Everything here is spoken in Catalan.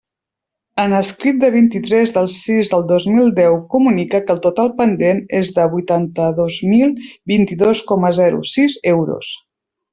En escrit de vint-i-tres del sis del dos mil deu, comunica que el total pendent és de huitanta-dos mil vint-i-dos coma zero sis euros.